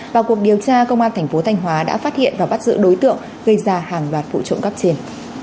và cuộc điều tra công an tp thanh hóa đã phát hiện và bắt giữ đối tượng gây ra hàng loạt vụ trộm cắp trên